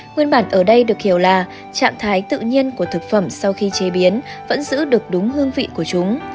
nguyên bản ở đây được hiểu là trạng thái tự nhiên của thực phẩm sau khi chế biến vẫn giữ được đúng hương vị của chúng